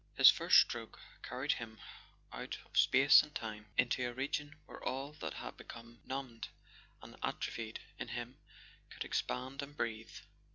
His first stroke carried him out of space and time, into a region where all that had become numbed and atrophied in him could expand and breathe.